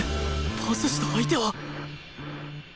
パスした相手は